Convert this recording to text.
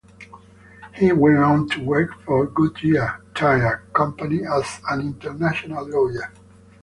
He went on to work for the Goodyear tire company as an international lawyer.